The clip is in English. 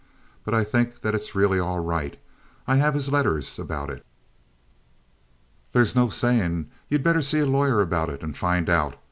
But I think that it's really all right. I have his letters about it." "There's no saying. You'd better see a lawyer about it and find out.